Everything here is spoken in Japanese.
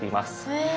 へえ。